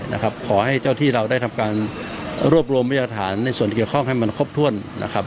นะครับขอให้เจ้าที่เราได้ทำการรวบรวมพยาฐานในส่วนที่เกี่ยวข้องให้มันครบถ้วนนะครับ